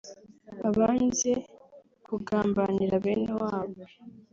abanze kugambanira bene wabo